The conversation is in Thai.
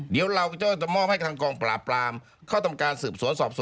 เดี๋ยวเราจะมอบให้ทางกองปราบปรามเข้าทำการสืบสวนสอบสวน